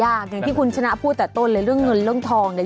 อย่างที่คุณชนะพูดแต่ต้นเลยเรื่องเงินเรื่องทองเนี่ย